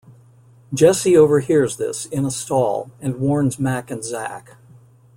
Jesse overhears this, in a stall, and warns Mac and Zack.